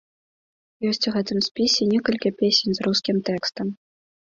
Ёсць у гэтым спісе і некалькі песень з рускім тэкстам.